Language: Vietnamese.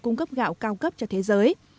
cung cấp gạo cao cấp cho thế giới